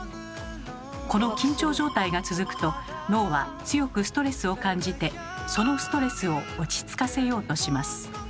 この緊張状態が続くと脳は強くストレスを感じてそのストレスを落ち着かせようとします。